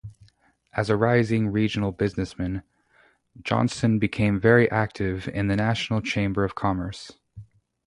As a rising regional businessman, Johnston became active in the national Chamber of Commerce.